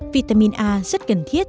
vitamin a rất cần thiết